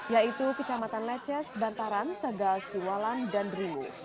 yaitu kecamatan leces bantaran tegal siwalan dan rimu